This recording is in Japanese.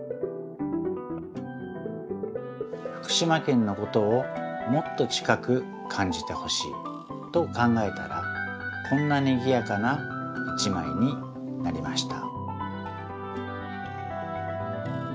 ふくしまけんのことをもっと近くかんじてほしいと考えたらこんなにぎやかな１まいになりました。